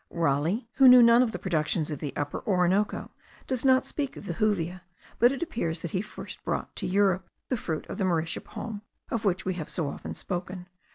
Raleigh, who knew none of the productions of the Upper Orinoco, does not speak of the juvia; but it appears that he first brought to Europe the fruit of the mauritia palm, of which we have so often spoken.